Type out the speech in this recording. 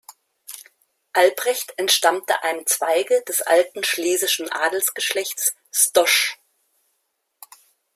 Albrecht entstammte einem Zweige des alten schlesischen Adelsgeschlechts Stosch.